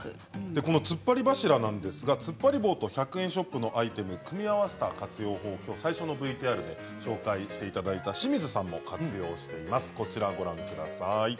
このつっぱり柱つっぱり棒と１００円ショップのアイテムを組み合わせた活用法を最初のＶＴＲで紹介していただいた清水さんも活用しています。